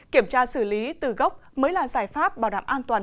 kiểm tra xử lý từ gốc mới là giải pháp bảo đảm an toàn